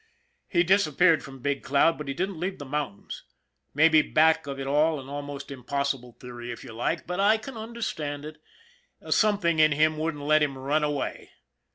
He disappeared from Big Cloud, but he didn't leave the mountains. Maybe back of it all, an almost impossible theory if you like, but I can understand it, a something in him wouldn't let him run away.